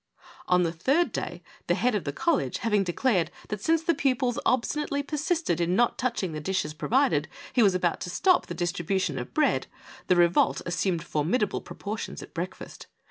On the third day, the head of the college having declared that since the pupils obstinately persisted in not touching the dishes provided, he was about to stop the distribution of bread, the revolt assumed formidable ^proportions at breakfast.